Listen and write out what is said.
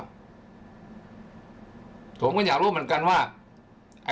ผมก็อยากรู้เหมือนกันว่า